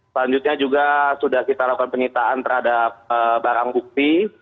selanjutnya juga sudah kita lakukan penyitaan terhadap barang bukti